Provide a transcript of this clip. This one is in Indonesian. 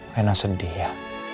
rena sedih ya